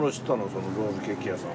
そのロールケーキ屋さん。